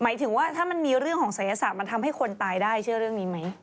หมายถึงว่าถ้ามันมีเรื่องของศัยศาสตร์มันทำให้คนตายได้เชื่อเรื่องนี้ไหม